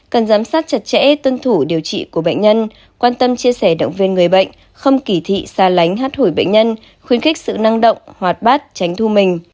cần giám sát chặt chẽ tuân thủ điều trị của bệnh nhân quan tâm chia sẻ động viên người bệnh không kỳ thị xa lánh hát hủy bệnh nhân khuyến khích sự năng động hoạt bát tránh thu mình